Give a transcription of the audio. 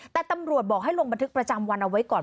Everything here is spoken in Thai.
แต่ตำรวจบอกให้ลงบันทึกประจำวันเอาไว้ก่อน